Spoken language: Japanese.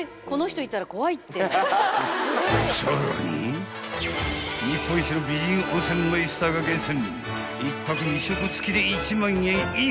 ［さらに日本一の美人温泉マイスターが厳選］